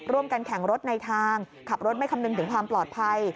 แข่งรถในทางขับรถไม่คำนึงถึงความปลอดภัย